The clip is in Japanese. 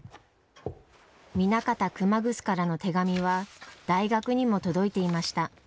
南方熊楠からの手紙は大学にも届いていました。